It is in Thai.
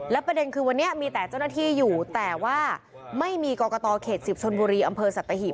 ประเด็นคือวันนี้มีแต่เจ้าหน้าที่อยู่แต่ว่าไม่มีกรกตเขต๑๐ชนบุรีอำเภอสัตหีบ